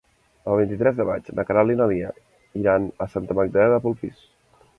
El vint-i-tres de maig na Queralt i na Lia iran a Santa Magdalena de Polpís.